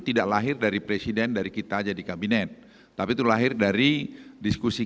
tidak lahir dari presiden dari kita jadi kabinet tapi itu lahir dari diskusi